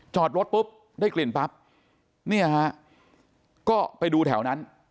จอดรถปุ๊บได้กลิ่นปั๊บเนี่ยฮะก็ไปดูแถวนั้น